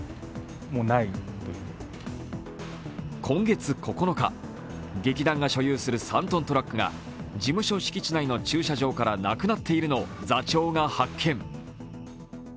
今月９日、劇団が所有する３ｔトラックが事務所敷地内の駐車場からなくなっているのを座長が発見。